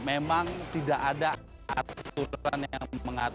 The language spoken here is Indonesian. memang tidak ada aturan yang mengatakan